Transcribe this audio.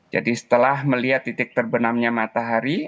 jadi setelah melihat titik terbenamnya matahari